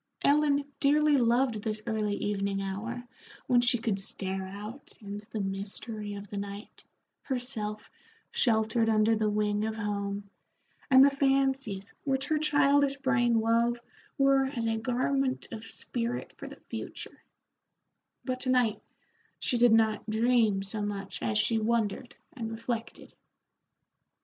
Ellen dearly loved this early evening hour when she could stare out into the mystery of the night, herself sheltered under the wing of home, and the fancies which her childish brain wove were as a garment of spirit for the future; but to night she did not dream so much as she wondered and reflected.